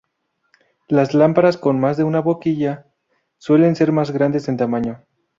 Las lámparas con más de una boquilla suelen ser más grandes en tamaño.